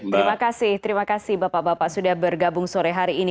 terima kasih terima kasih bapak bapak sudah bergabung sore hari ini